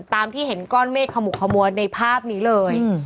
ตามที่เห็นก้อนเมฆขมุกขมัวในภาพนี้เลย